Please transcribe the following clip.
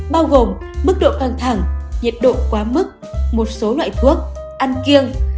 bao gồm mức độ căng thẳng nhiệt độ quá mức một số loại thuốc ăn kiêng